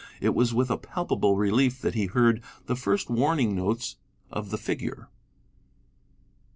It was with a palpable relief that he heard the first warning notes of the figure.